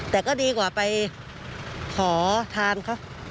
แต่ก็ดีกว่าไปขอทานเขา